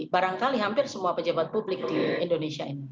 barangkali hampir semua pejabat publik di indonesia ini